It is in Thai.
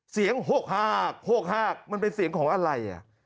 เสียงหกหากหกหากมันเป็นเสียงของอะไรอ่ะ